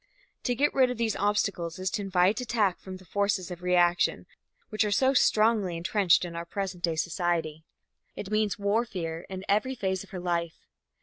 To get rid of these obstacles is to invite attack from the forces of reaction which are so strongly entrenched in our present day society. It means warfare in every phase of her life.